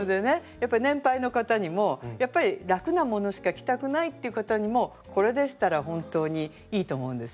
やっぱり年配の方にも楽なものしか着たくないっていう方にもこれでしたら本当にいいと思うんですね。